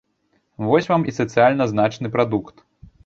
Вось вам і сацыяльна значны прадукт.